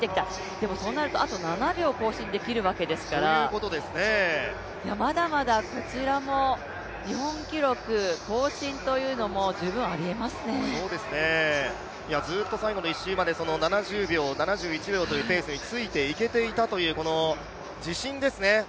でもそうなるとあと７秒更新できるわけですからまだまだこちらも日本記録更新というのも最後の１周まで７０秒、７１秒のペースについていけていたという、この自信ですね。